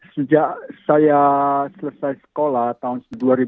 sejak saya selesai sekolah tahun dua ribu enam belas